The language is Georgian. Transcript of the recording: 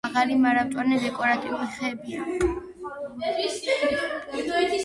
მაღალი მარადმწვანე დეკორატიული ხეებია.